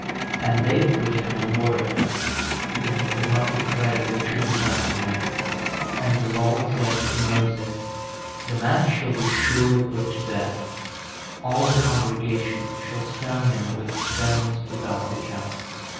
And they put him in ward, because it was not declared what should be done to him. And the Lord said unto Moses, The man shall be surely put to death: all the congregation shall stone him with stones without the camp.